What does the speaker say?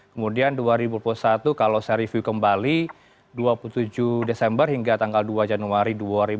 kemudian dua ribu dua puluh satu kalau saya review kembali dua puluh tujuh desember hingga tanggal dua januari dua ribu dua puluh